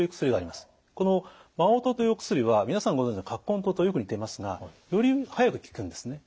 この麻黄湯というお薬は皆さんご存じの葛根湯とよく似ていますがより早く効くんですね。